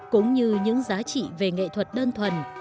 cũng như những giá trị về nghệ thuật đơn thuần